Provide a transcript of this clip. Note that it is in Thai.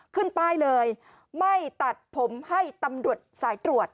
ขึ้นป้ายเลยไม่ตัดผมให้ตำรวจสายตรวจ